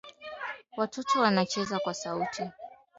utegemezi dawa za kulevya zaidi kama tabia kuliko ugonjwa na hatimaye